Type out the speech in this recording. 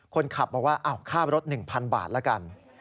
คนขับบอกว่าอ้าวข้ามรถ๑๐๐๐บาทละกัน